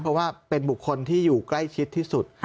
เพราะว่าเป็นบุคคลที่อยู่ใกล้ชิดที่สุด